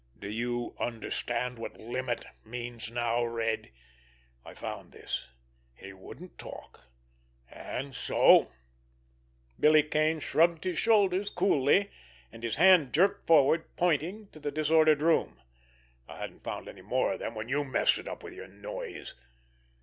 "Do you understand what 'limit' means now, Red? I found this. He wouldn't talk, and so——" Billy Kane shrugged his shoulders coolly, and his hand jerked forward, pointing to the disordered room. "I hadn't found any more of them when you messed it up with your noise."